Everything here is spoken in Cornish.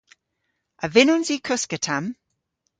A vynnons i koska tamm?